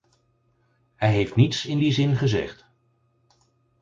Hij heeft niets in die zin gezegd.